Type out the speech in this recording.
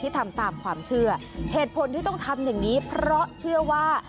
ทำตามความเชื่อเหตุผลที่ต้องทำอย่างนี้เพราะเชื่อว่า